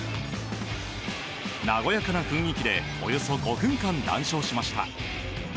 和やかな雰囲気でおよそ５分間談笑しました。